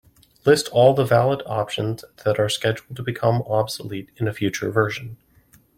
List all the valid options that are scheduled to become obsolete in a future version.